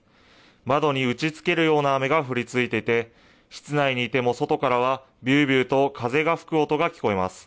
窓に打ちつけるような雨が降り続いていて、室内にいても外からはびゅーびゅーと風が吹く音が聞こえます。